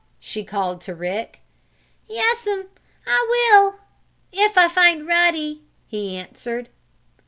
she called to Rick. "Yes'm, I will if I find Ruddy!" he answered.